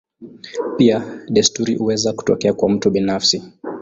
Pia desturi huweza kutokea kwa mtu binafsi.